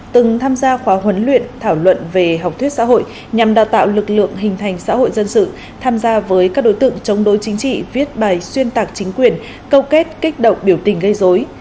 từng tham gia khóa huấn luyện thảo luận về học thuyết xã hội nhằm đào tạo lực lượng hình thành xã hội dân sự tham gia với các đối tượng chống đối chính trị viết bài xuyên tạc chính quyền câu kết kích động biểu tình gây dối